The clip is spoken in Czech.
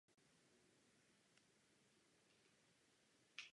Zkomponoval četné pochody a tance.